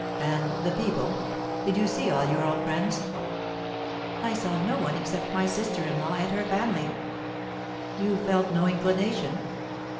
"And the people? Did you see all your old friends?" "I saw no one except my sister in law and her family." "You felt no inclination?"